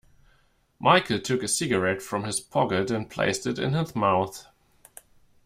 Michael took a cigarette from his pocket and placed it in his mouth.